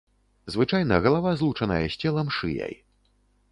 Звычайна галава злучаная з целам шыяй.